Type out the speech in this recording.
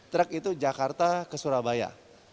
truk itu jakarta ke surabaya